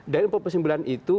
dari empat puluh sembilan itu